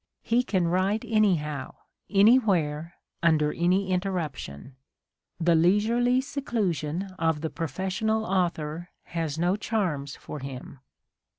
He can write anyhow, anywhere, under any interruption : the leisurely seclusion of the professional author has no charms for him.